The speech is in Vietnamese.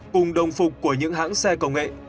cùng đồng phục của những hãng xe công nghệ